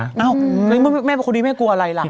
อ้าวแล้วคุณดีไม่กลัวอะไรล่ะ